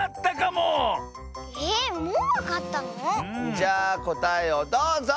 じゃあこたえをどうぞ！